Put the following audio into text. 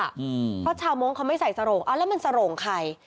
เพราะชาวโม้งเขาไม่ใส่สโรงอ้าวแล้วมันสโรงใคร